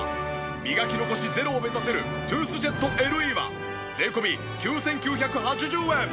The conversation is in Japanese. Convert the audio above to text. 磨き残しゼロを目指せるトゥースジェットＬＥは税込９９８０円！